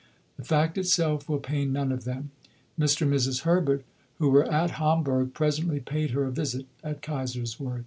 The fact itself will pain none of them." Mr. and Mrs. Herbert, who were at Homburg, presently paid her a visit at Kaiserswerth.